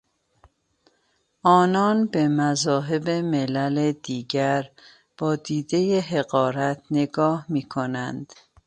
آنان به مذاهب ملل دیگر با دیدهی حقارت نگاه میکنند.